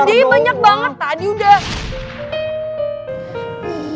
lo adeknya banyak banget tadi udah